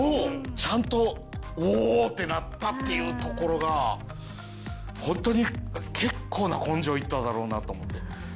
ちゃんと「おお！」ってなったっていうところがホントに結構な根性いっただろうなと思って。